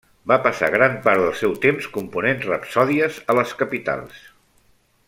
Va passar gran part del seu temps component rapsòdies a les capitals.